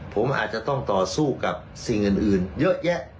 ผมอาจจะต้องต่อสู้กับสิ่งอื่นเยอะแยะ